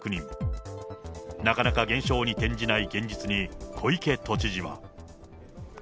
なかなか減少に転じない現実に、小池都知事は。